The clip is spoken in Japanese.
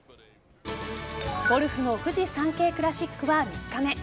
ゴルフのフジサンケイクラシックは３日目。